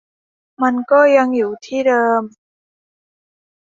มันก็ยังอยู่ที่เดิม